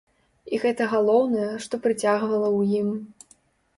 І гэта галоўнае, што прыцягвала ў ім.